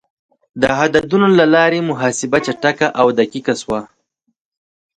د عددونو له لارې محاسبه چټکه او دقیق شوه.